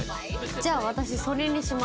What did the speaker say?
じゃあ私それにします。